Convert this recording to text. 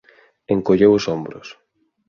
Encolleu os ombros.